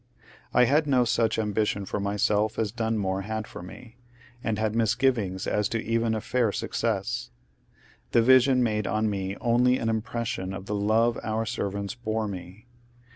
I had no ^uch ambition for myself as Dunmore had for me, and had misgivings as to even a fair success. The vision made on me only an impression of the love our servants bore me.